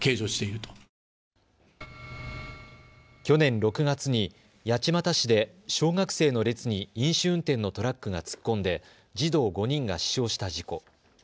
去年６月に八街市で小学生の列に飲酒運転のトラックが突っ込んで児童５人が死傷した事故。